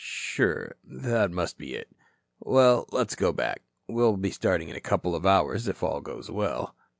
"Sure, that must be it. Well, let's go back. We'll be starting in a couple of hours, if all goes well."